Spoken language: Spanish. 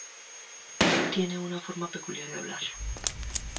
Tiene una forma peculiar de hablar.